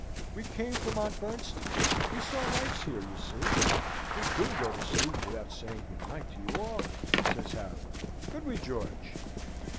"We came from Aunt Bernstein's; we saw lights here, you see; we couldn't go to sleep without saying good night to you all," says Harry. "Could we, George?"